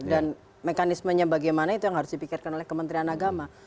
mekanismenya bagaimana itu yang harus dipikirkan oleh kementerian agama